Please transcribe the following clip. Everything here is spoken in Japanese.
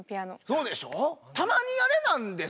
そうでしょう。